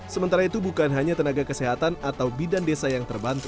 sementara itu bukan hanya tenaga kesehatan atau bidan desa yang terbantu